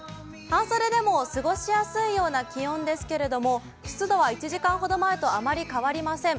半袖でも過ごしやすいような気温ですけれども湿度は１時間ほど前とあまり変わりません。